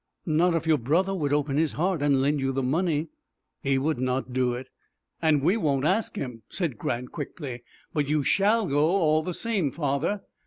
"Not if your brother would open his heart, and lend you the money." "He would not do it." "And we won't ask him," said Grant, quickly, "but you shall go, all the same, father."